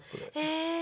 へえ。